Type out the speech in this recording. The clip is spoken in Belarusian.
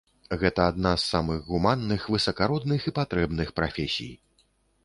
Гэта адна з самых гуманных, высакародных і патрэбных прафесій.